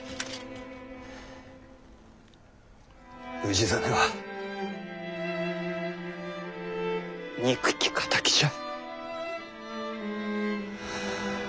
氏真は憎き敵じゃ！